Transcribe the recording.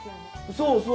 そうそう。